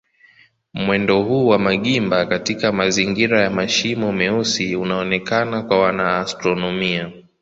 Mwendo huu wa magimba katika mazingira ya mashimo meusi unaonekana kwa wanaastronomia.